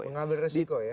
mengambil resiko ya